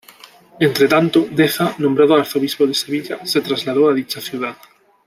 Entretanto, Deza, nombrado arzobispo de Sevilla, se trasladó a dicha ciudad.